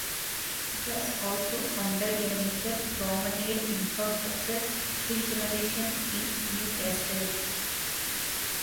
It has also funded a major promenade infrastructure regeneration in Newcastle.